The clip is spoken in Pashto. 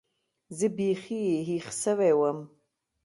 زه بيخي هېښ سوى وم.